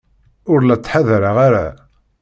Ur la ttḥadareɣ ara.